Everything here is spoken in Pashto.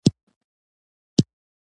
د لېوه بچی کوم چا وو پیدا کړی